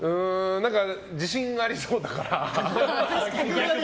自信がありそうだから。